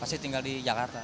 pasti tinggal di jakarta